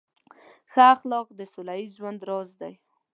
ښه اخلاق د سوله ییز ژوند راز دی.